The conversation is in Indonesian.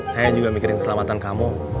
saya juga mikirin keselamatan kamu